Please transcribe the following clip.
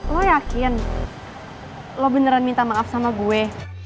lo yakin lo beneran minta maaf sama gue